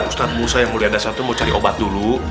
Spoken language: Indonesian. ustadz musa yang mulia ada satu mau cari obat dulu